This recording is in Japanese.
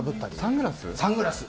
あとサングラス。